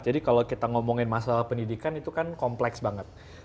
jadi kalau kita ngomongin masalah pendidikan itu kan kompleks banget